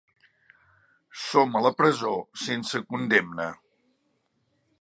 Som a la presó sense condemna.